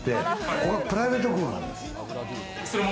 ここはプライベート空間です。